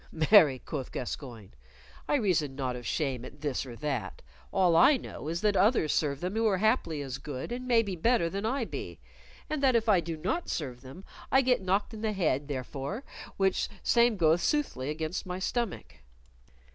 "Marry!" quoth Gascoyne; "I reason not of shame at this or that. All I know is that others serve them who are haply as good and maybe better than I be, and that if I do not serve them I get knocked i' th' head therefore, which same goeth soothly against my stomach."